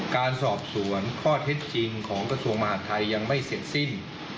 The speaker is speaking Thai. การสอบสวนข้อเท็จจริงของกระทรวงมหาดไทยยังไม่เสร็จสิ้น